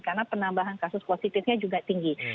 karena penambahan kasus positifnya juga tinggi